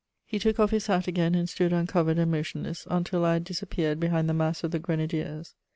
He took off his hat again and stood uncovered and motionless, until I had disappeared behind the mass of the grenadiers.